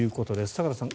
坂田さん